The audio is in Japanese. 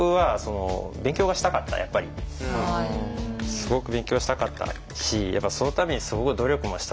すごく勉強したかったしそのためにすごく努力もしたし。